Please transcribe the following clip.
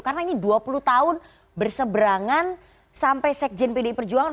karena ini dua puluh tahun berseberangan sampai sekjen pdi perjuangan